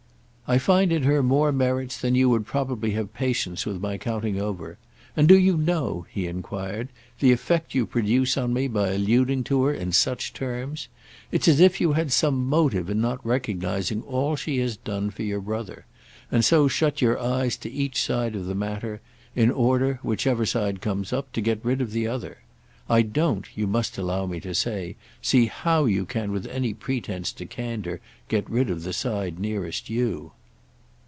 "I find in her more merits than you would probably have patience with my counting over. And do you know," he enquired, "the effect you produce on me by alluding to her in such terms? It's as if you had some motive in not recognising all she has done for your brother, and so shut your eyes to each side of the matter, in order, whichever side comes up, to get rid of the other. I don't, you must allow me to say, see how you can with any pretence to candour get rid of the side nearest you."